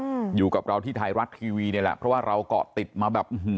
อืมอยู่กับเราที่ไทยรัฐทีวีนี่แหละเพราะว่าเราเกาะติดมาแบบอื้อหือ